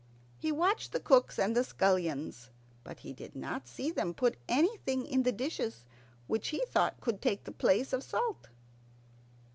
He watched the cooks and the scullions, but he did not see them put anything in the dishes which he thought could take the place of salt.